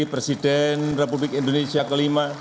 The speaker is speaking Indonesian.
presiden republik indonesia ke lima